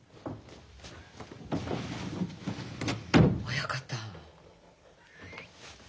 親方。